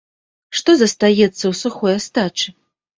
Што застаецца ў сухой астачы?